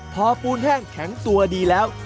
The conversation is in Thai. พอปูนแห้งแข็งตัวดีแล้ว